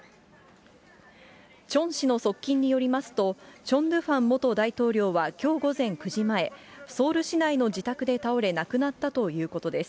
チョン氏の側近によりますと、チョン・ドゥファン元大統領はきょう午前９時前、ソウル市内の自宅で倒れ、亡くなったということです。